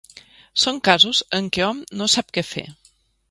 Són casos en què hom no sap què fer.